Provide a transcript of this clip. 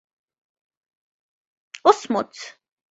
اصمت!